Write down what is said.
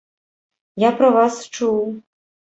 Я пра вас чуў.